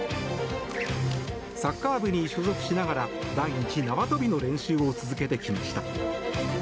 サッカー部に所属しながら毎日、縄跳びの練習を続けてきました。